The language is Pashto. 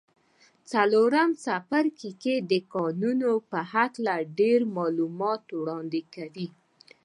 څلورم څپرکی د ترکاڼۍ په هکله ډېر معلومات وړاندې کوي.